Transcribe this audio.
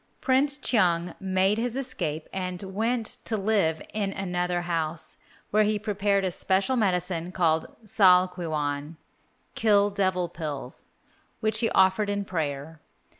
Prince Cheung made his escape and went to live in another house, where he prepared a special medicine called sal kwi whan (kill devil pills), which he offered in prayer.